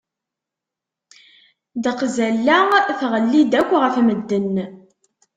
Deqzalla tɣelli-d akk ɣef medden.